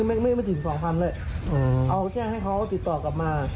ไม่ไม่ถึงสองพันแล้วเอาแค่ให้เขาติดต่อกลับมา